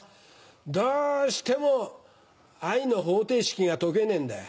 どうしても愛の方程式が解けねえんだよ。